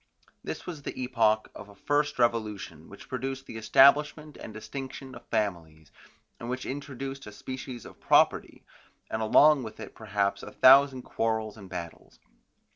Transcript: This was the epoch of a first revolution, which produced the establishment and distinction of families, and which introduced a species of property, and along with it perhaps a thousand quarrels and battles.